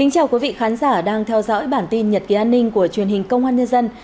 chào mừng quý vị đến với bản tin nhật ký an ninh của truyền hình công an nhân dân